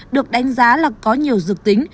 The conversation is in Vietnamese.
được đánh giá là có nhiều dược tính